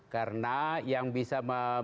karena yang bisa